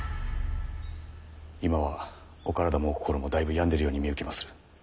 今はお体もお心もだいぶ病んでるように見受けまする。